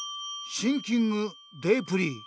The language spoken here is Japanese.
シンキングデープリー。